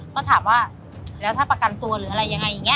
ก็ถามว่าแล้วถ้าประกันตัวหรืออะไรยังไงอย่างนี้